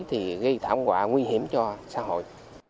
thì gây thảm họa nguy hiểm cho xã hội